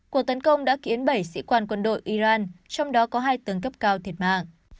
cuộc tấn công đã khiến bảy sĩ quan quân đội iran trong đó có hai tướng cấp cao thiệt mạng